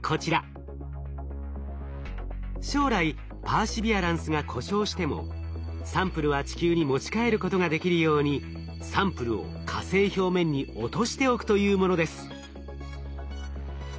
将来パーシビアランスが故障してもサンプルは地球に持ち帰ることができるようにサンプルを火星表面に落としておくというものです。